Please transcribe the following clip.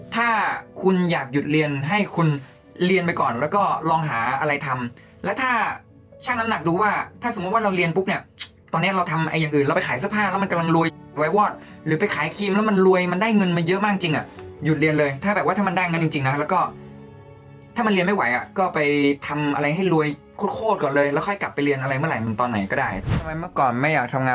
ถ้าคุณอยากหยุดเรียนให้คุณเรียนไปก่อนแล้วก็ลองหาอะไรทำและถ้าช่างน้ำหนักรู้ว่าถ้าสมมุติว่าเราเรียนปุ๊บเนี่ยตอนนี้เราทำอะไรอย่างอื่นเราไปขายเสื้อผ้าแล้วมันกำลังรวยไว้วอดหรือไปขายครีมแล้วมันรวยมันได้เงินมาเยอะมากจริงหยุดเรียนเลยถ้ามันได้เงินจริงแล้วก็ถ้ามันเรียนไม่ไหวก็ไปทำ